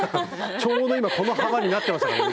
ちょうど今この幅になってましたからね。